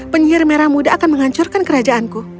penyihir merah muda akan menghancurkan kerajaanku